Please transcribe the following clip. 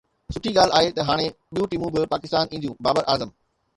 سٺي ڳالهه آهي ته هاڻي ٻيون ٽيمون به پاڪستان اينديون: بابر اعظم